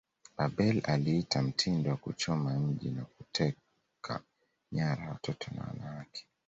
Babel aliita mtindo wa kuchoma mji na kuteka nyara watoto na wanawake